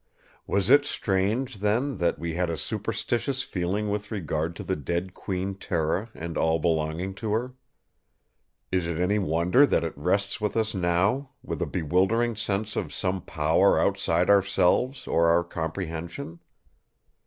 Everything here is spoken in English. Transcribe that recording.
Was it strange, then, that we had a superstitious feeling with regard to the dead Queen Tera and all belonging to her? Is it any wonder that it rests with us now, with a bewildering sense of some power outside ourselves or our comprehension?